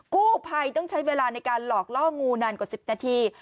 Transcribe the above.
กู้ภัยต้องใช้เวลาในการหลอกล่องูนานกว่า๑๐นาที